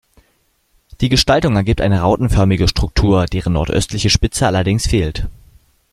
Die Gestaltung ergibt eine rautenförmige Struktur, deren nordöstliche Spitze allerdings fehlt.